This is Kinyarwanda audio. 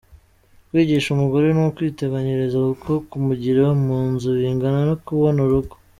Kwigisha umugore ni ukwiteganyiriza kuko kumugira mu nzu bingana no kubona urugo.